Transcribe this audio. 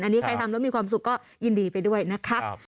อันนี้ใครทำแล้วมีความสุขก็ยินดีไปด้วยนะคะ